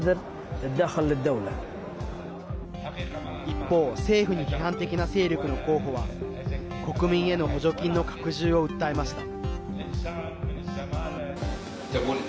一方、政府に批判的な勢力の候補は国民への補助金の拡充を訴えました。